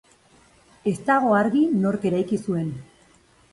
Ez dago argi nork eraiki zuen.